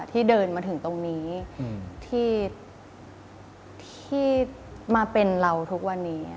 ที่เดินมาถึงตรงนี้ที่มาเป็นเราทุกวันนี้